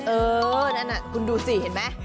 เออนั่นน่ะคุณดูสิเห็นไหม